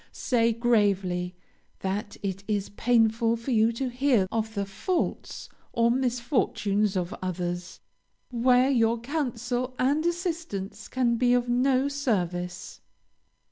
Say gravely that it is painful for you to hear of the faults or misfortunes of others, where your counsel and assistance can be of no service.